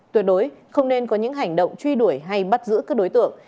tuyệt đối không nên có những hành động truy đuổi hay bắt giữ các đối tượng